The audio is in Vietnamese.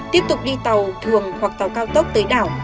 tiếp tục đi tàu thường hoặc tàu cao tốc tới đảo